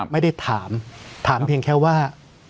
ไม่ได้ถามถามเพียงแค่ว่า